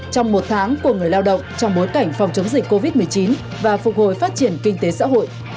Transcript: trong một tháng của người lao động trong bối cảnh phòng chống dịch covid một mươi chín và phục hồi phát triển kinh tế xã hội